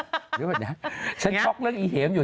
นี่แบบนี้ฉันช็อกเรื่องอีเหมอยู่